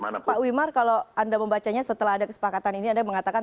what next sih pak wimar kalau anda membacanya setelah ada kesepakatan ini anda mengatakan